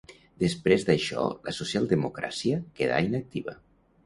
Després d'això la socialdemocràcia quedà inactiva.